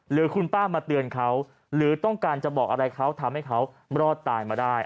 หรือคุณป้ามาเตือนเขาหรือต้องการจะบอกอะไรเขาทำให้เขารอดตายมาได้